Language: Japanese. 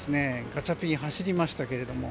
ガチャピン走りましたけども。